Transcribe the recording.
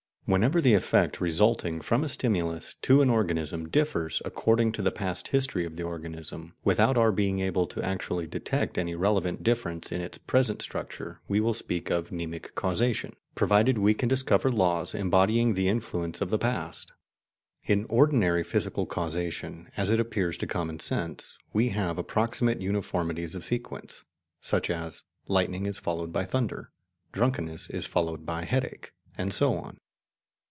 Whenever the effect resulting from a stimulus to an organism differs according to the past history of the organism, without our being able actually to detect any relevant difference in its present structure, we will speak of "mnemic causation," provided we can discover laws embodying the influence of the past. In ordinary physical causation, as it appears to common sense, we have approximate uniformities of sequence, such as "lightning is followed by thunder," "drunkenness is followed by headache," and so on.